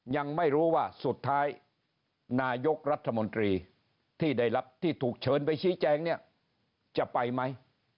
ยังไม่รู้ว่าสุดท้ายนายกรัฐมนตรีที่ได้รับที่ถูกเชิญไปชี้แจงเนี่ยจะไปไหม